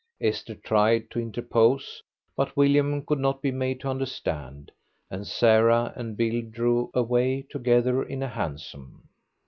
Esther tried to interpose, but William could not be made to understand, and Sarah and Bill drove away together in a hansom.